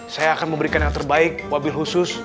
saya akan memberikan yang terbaik wabil khusus